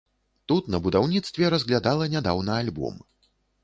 Тут на будаўніцтве разглядала нядаўна альбом.